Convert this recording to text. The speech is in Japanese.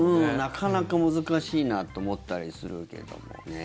なかなか難しいなと思ったりするけどもね。